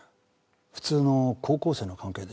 普通の高校生の関係です。